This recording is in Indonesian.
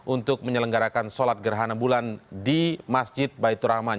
untuk menyelenggarakan sholat gerhana bulan di masjid baitur rahman